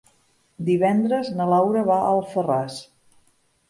Divendres na Laura va a Alfarràs.